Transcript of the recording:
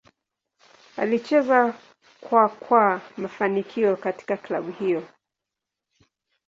Alicheza kwa kwa mafanikio katika klabu hiyo.